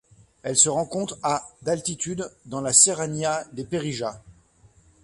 Elle se rencontre à d'altitude dans la Serranía de Perijá.